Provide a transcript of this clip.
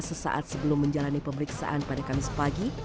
sesaat sebelum menjalani pemeriksaan pada kamis pagi